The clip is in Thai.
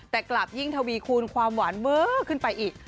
แต่กลับยิ่งทวีคูณความหวานเว้อขึ้นไปอีก